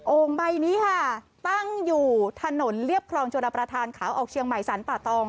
ใบนี้ค่ะตั้งอยู่ถนนเรียบครองชนประธานขาออกเชียงใหม่สรรป่าตอง